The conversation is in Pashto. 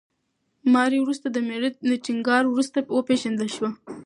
ماري وروسته د مېړه د ټینګار وروسته وپېژندل شوه.